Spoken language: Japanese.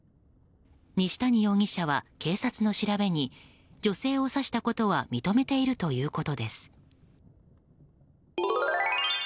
西谷容疑者は警察の調べに女性を刺したことは認めているということです。